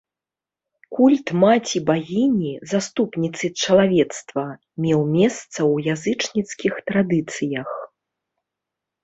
Культ маці-багіні, заступніцы чалавецтва, меў месца ў язычніцкіх традыцыях.